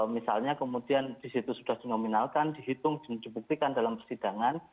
misalnya kemudian disitu sudah dinominalkan dihitung dibuktikan dalam persidangan